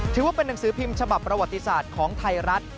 ถือว่าเป็นนังสือพิมพ์ฉบับประวัติศาสตร์ของไทยรัฐ